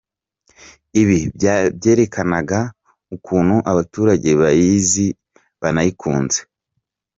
Ibi byanyerekaga ukuntu abaturage bayizi banayikunze.